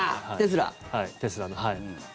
テスラの。